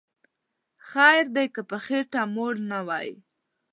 خیر دی که په خیټه موړ نه وی